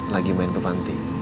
lagi main ke panti